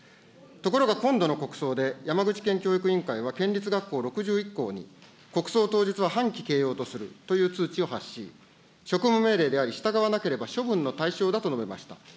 ところが今度の国葬で、山口県教育委員会は、県立学校６１校に、国葬当日は半旗掲揚とするという通知を発し、職務命令であり、従わなければ処分の対象だと述べました。